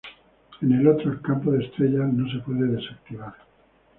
En el otro, el campo de estrellas no se puede desactivar.